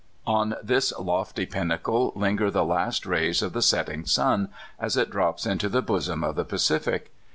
On this lofty pinnacle hnger the last ravs of the setting sun, as it drops into the bosom of the Pacific.